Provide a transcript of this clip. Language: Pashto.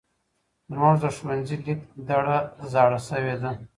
زمونږ د ښونځې لېک دړه زاړه شوی.